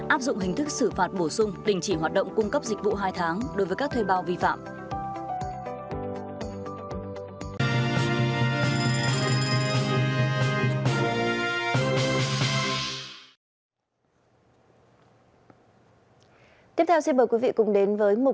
áp dụng hình thức xử phạt bổ sung đình chỉ hoạt động cung cấp dịch vụ hai tháng đối với các thuê bao vi phạm